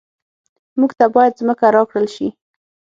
موږ ته باید ځمکه راکړل شي